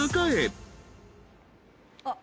あっ。